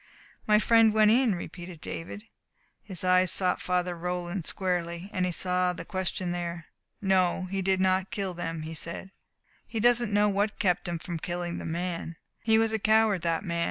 "My friend went in," repeated David. His eyes sought Father Roland's squarely, and he saw the question there. "No, he did not kill them," he said. "He doesn't know what kept him from killing the man. He was a coward, that man.